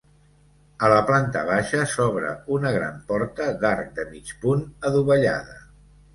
A la planta baixa s'obre una gran porta d'arc de mig punt adovellada.